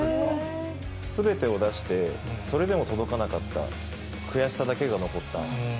すべてを出して、それでも届かなかった、悔しさだけが残った。